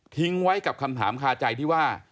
ทิ้งไว้กับคำถามคาใจที่ว่า